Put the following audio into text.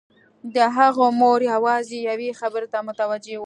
د هغه مور يوازې يوې خبرې ته متوجه وه.